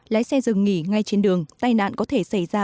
lái xe dừng nghỉ ngay trên đường tai nạn có thể xảy ra